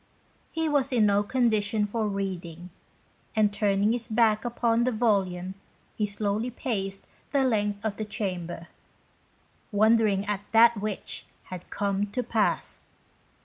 He was in no condition for reading, and turning his back upon the volume he slowly paced the length of the chamber, "wondering at that which had come to pass."